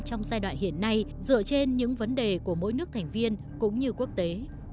trong giai đoạn hiện nay dựa trên những vấn đề của mỗi nước thành viên cũng như quốc tế